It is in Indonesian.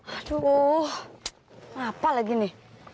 aduh kenapa lagi ini